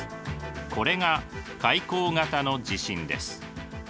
これが海溝型の地震です。